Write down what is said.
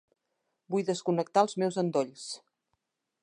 Vull desconnectar els meus endolls.